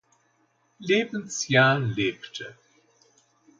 Lebensjahr lebte.